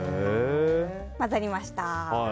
混ざりました。